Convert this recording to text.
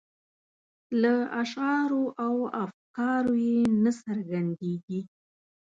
له اشعارو او افکارو یې نه څرګندیږي.